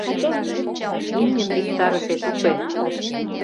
Имньым виктарышет уке.